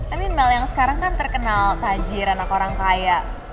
i mean mel yang sekarang kan terkenal tajir anak orang kaya